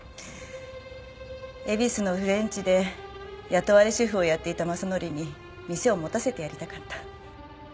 恵比寿のフレンチで雇われシェフをやっていた正範に店を持たせてやりたかった。